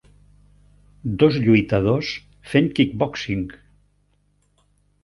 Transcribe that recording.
Dos lluitadors fent kickboxing.